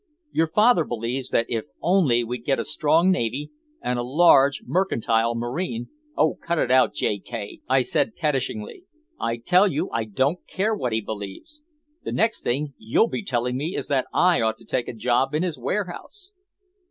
Your father believes that if only we'd get a strong navy and a large mercantile marine " "Oh, cut it, J. K.," I said pettishly. "I tell you I don't care what he believes! The next thing you'll be telling me is that I ought to take a job in his warehouse!"